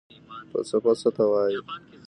فلسفه څه ته وايي؟